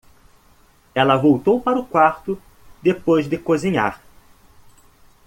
Ela voltou para o quarto depois de cozinhar.